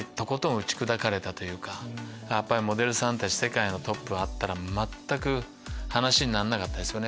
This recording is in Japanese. モデルさんたち世界のトップに会ったら全く話にならなかったですよね。